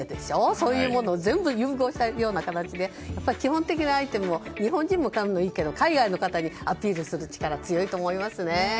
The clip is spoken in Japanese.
そういうものを全部融合した形でやっぱり基本的なアイテム日本人もいいけど海外の方にアピールする力強いと思いますね。